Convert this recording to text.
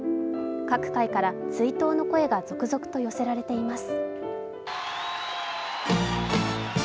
各界から追悼の声が続々と寄せられています。